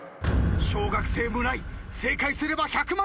小学生村井正解すれば１００万円。